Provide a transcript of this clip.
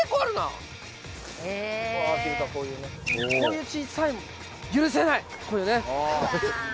こういう小さい許せないこういうのね！